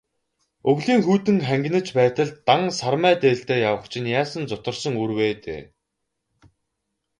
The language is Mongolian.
Өвлийн хүйтэн хангинаж байтал, дан сармай дээлтэй явах чинь яасан зутарсан үр вэ дээ.